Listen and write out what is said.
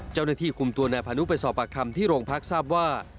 เจ้าหน้าที่คุมตัวนายพานุไปสอบปากคำที่โรงพักทราบว่า